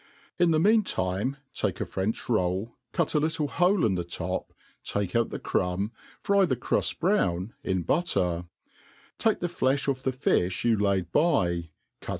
In the mean time take a French roll, cut a little hole in the top, takeout tfie crumb, fry the cruft brown in butter ; take the ileih off the fifli you laid by, cut.